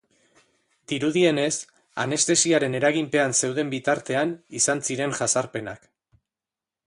Dirudienez, anestesiaren eraginpean zeuden bitartean izaten ziren jazarpenak.